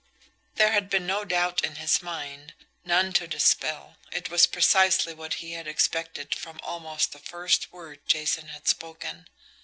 There had been no doubt in his mind, none to dispel. It was precisely what he had expected from almost the first word Jason had spoken.